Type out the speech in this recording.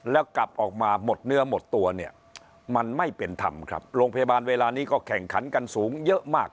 แล้วกลับออกมาหมดเนื้อหมดตัวเนี่ยมันไม่เป็นธรรมครับโรงพยาบาลเวลานี้ก็แข่งขันกันสูงเยอะมาก